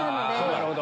なるほど。